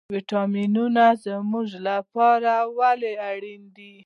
ویټامینونه زموږ لپاره ولې اړین دي